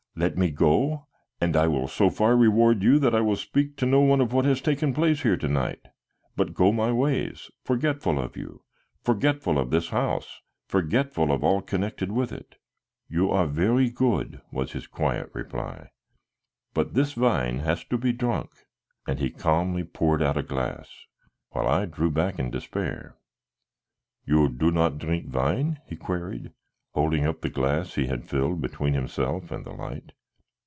Let me go, and I will so far reward you that I will speak to no one of what has taken place here to night, but go my ways, forgetful of you, forgetful of this house, forgetful of all connected with it." "You are very good," was his quiet reply, "but this wine has to be drunk." And he calmly poured out a glass, while I drew back in despair. "You do not drink wine?" he queried, holding up the glass he had filled between himself and the light.